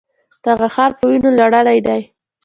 دغه ښار په وینو لړلی دی.